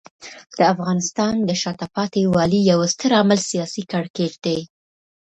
د افغانستان د شاته پاتې والي یو ستر عامل سیاسي کړکېچ دی.